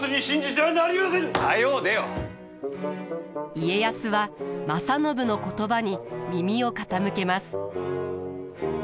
家康は正信の言葉に耳を傾けます。